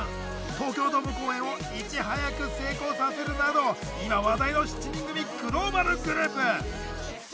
東京ドーム公演をいち早く成功させるなど今話題の７人組グローバルグループ。